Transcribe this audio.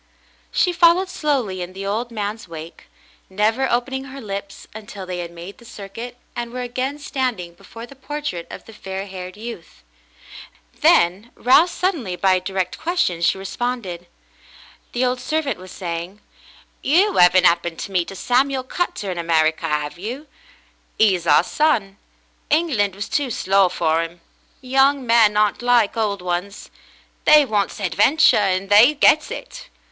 She followed slowly in the old man's wake, never open ing her lips until they had made the circuit and were again standing before the portrait of the fair haired youth. Then, roused suddenly by a direct question, she responded. The old servant was saying: "You 'aven't 'appened to meet a Samuel Cutter in America, 'ave you "^ 'E's our son. England was too slow for 'im. Young men aren't like old ones ; they wants hadventure, and they gets it.